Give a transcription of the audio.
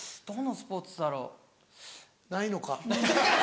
どのスポーツだろう？ないのか？